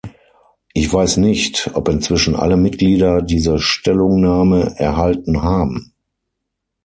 Ich weiß nicht, ob inzwischen alle Mitglieder diese Stellungnahme erhalten haben.